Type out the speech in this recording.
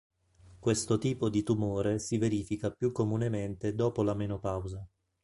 Questo tipo di tumore si verifica più comunemente dopo la menopausa.